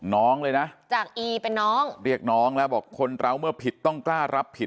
น้องเลยนะจากอีเป็นน้องเรียกน้องแล้วบอกคนเราเมื่อผิดต้องกล้ารับผิด